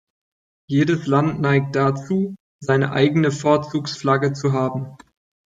Jedes Land neigt dazu, seine eigene Vorzugsflagge zu haben.